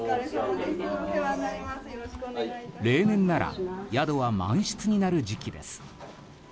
例年なら宿は満室になる時期です。